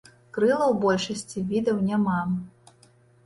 Крылаў у большасці відаў няма.